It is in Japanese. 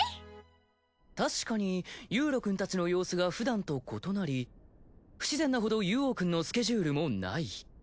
確かにユウロくんたちの様子がふだんと異なり不自然なほどユウオウくんのスケジュールもない。